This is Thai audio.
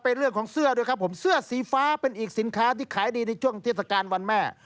เป็นเรื่องของเสื้อด้วยครับผมเสื้อสีฟ้าเป็นอีกสินค้าที่ขายดีในช่วงเทศกาลวันแม่